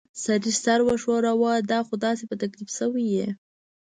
سړي سر وښوراوه: دا خو تاسې په تکلیف شوي ییۍ.